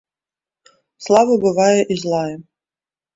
Слава бывае і злая.